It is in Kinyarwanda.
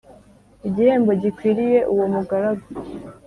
igihembo gikwiriye Uwo mugaragu